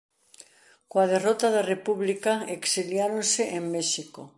Coa derrota da República exiliáronse en México.